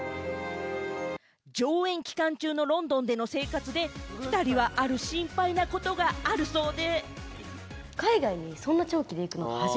上演期間中のロンドンでの生活で２人はある心配なことがあるそうで。